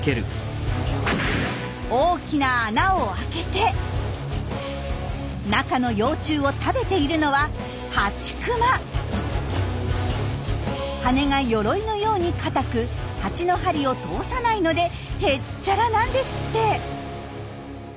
大きな穴を開けて中の幼虫を食べているのは羽が鎧のように硬くハチの針を通さないのでへっちゃらなんですって！